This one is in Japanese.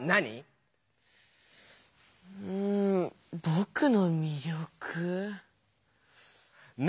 うんぼくのみりょく？ね！